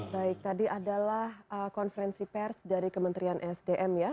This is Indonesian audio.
baik tadi adalah konferensi pers dari kementerian sdm ya